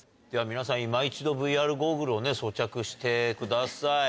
皆さんいま一度ＶＲゴーグルを装着してください。